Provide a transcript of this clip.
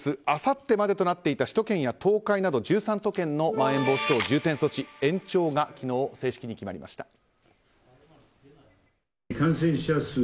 明後日までとなっていた首都圏や東海など１３都県のまん延防止等重点措置延長が昨日、正式に決まりました。